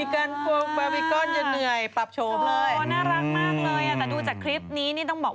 ขอพูดลงไปนี้เหรอน่ะ